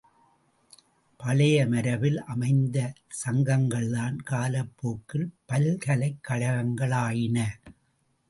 பழைய மரபில் அமைந்த சங்கங்கள்தான் காலப்போக்கில் பல்கலைக்கழகங்களாயின.